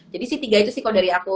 jadi si tiga itu sih kalo dari aku